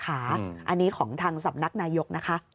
อันนี้ของทางสำนักนายกนะคะ